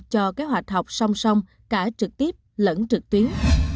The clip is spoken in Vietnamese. cho kế hoạch học song song cả trực tiếp lẫn trực tuyến